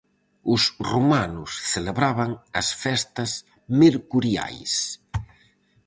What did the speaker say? Os romanos celebraban as festas mercuriais.